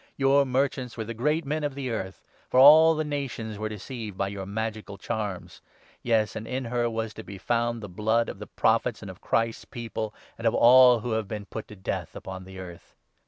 Your merchants were the great men of the earth, for all the nations were deceived by your magical charms. Yes, and in her was to be found the blood of the 24 Prophets and of Christ's People, and of all who have been put to death upon the earth.'